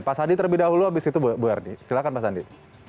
pak sandi terlebih dahulu abis itu bu erdi silahkan pak sandi